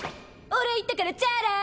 お礼言ったからチャラ！